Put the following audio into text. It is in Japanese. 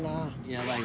やばい。